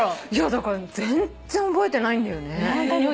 だから全然覚えてないんだよね。